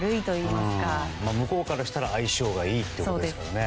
向こうからしたら相性がいいということですからね。